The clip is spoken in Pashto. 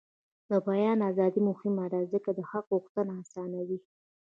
د بیان ازادي مهمه ده ځکه چې د حق غوښتنه اسانوي.